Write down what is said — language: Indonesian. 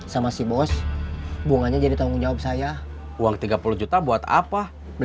sampai jumpa di video selanjutnya